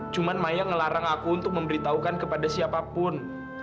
cuma maya ngelarang aku untuk memberitahukan kepada siapapun